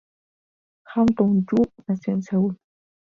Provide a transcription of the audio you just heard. Hwang Tong-gyu nació en Seúl.